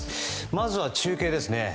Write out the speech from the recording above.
まずは中継ですね。